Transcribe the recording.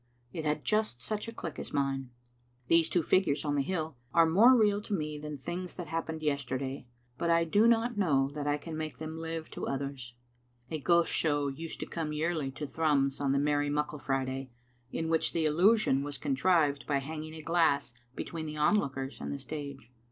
It had just such a click as mine. These two figures on the hill are more real to me than things that happened yesterday, but I do not know that I can make them live to others. A ghost show used to come yearly to Thrums on the merry Muckle Friday, in which the illusion was contrived by hanging a glass between the onlookers and the stage.